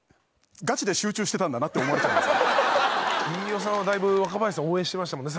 飯尾さんはだいぶ若林さん応援してましたもんね